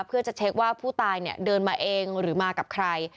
เพื่อจะเช็คว่าผู้ตายเนี่ยเดินมาเองหรือมากับใคร